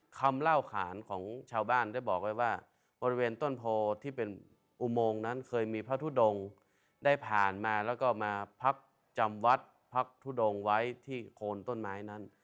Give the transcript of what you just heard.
คำเล่าขานของชาวบ้านได้บอกไว้ว่าบริเวณต้นโพที่เป็นอุโมงนั้นเคยมีพระทุดงได้ผ่านมาแล้วก็มาพักจำวัดพักทุดงไว้ที่โคนต้นไม้นั้น